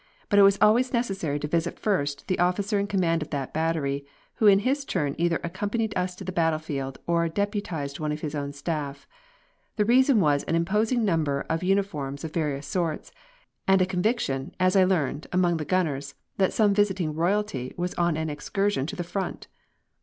But it was always necessary to visit first the officer in command of that battery, who in his turn either accompanied us to the battlefield or deputised one of his own staff. The result was an imposing number of uniforms of various sorts, and the conviction, as I learned, among the gunners that some visiting royalty was on an excursion to the front!